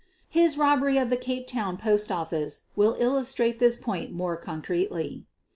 His robbery of the Cape Town Post Office will illustrate this point more concretely.